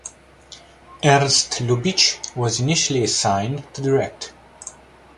Ernst Lubitsch was initially assigned to direct.